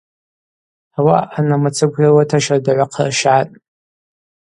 Ауаъа анамыцаква йрыуата щардагӏвы хъырщгӏатӏ.